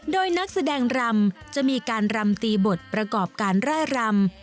โดยนักแสดงรำจะมีการรำตีบทประกอบการร่ายรำ